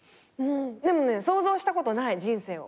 でもね想像したことない人生を。